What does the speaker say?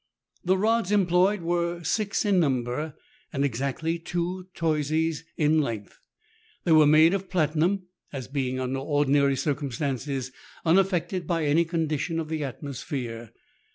The rods employed were six in number, and exactly two toises in length. They were made of platinum, as being (under ordinary circumstances) unafiected by any condi tion of the atmosphere.